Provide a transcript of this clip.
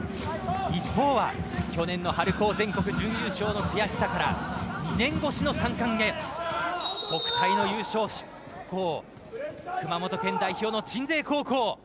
一方は、去年の春高全国準優勝の悔しさから２年越しの３冠へ国体の優勝校熊本県代表の鎮西高校。